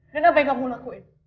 dan apa yang kamu lakuin